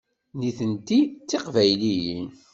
Nitenti d Tiqbayliyin.